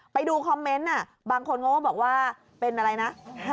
ไปดูคอมเมนต์บางคนโง่ว่าเป็นอะไรนะ๕๐๓